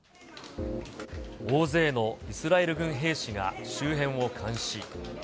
大勢のイスラエル軍兵士が周辺を監視。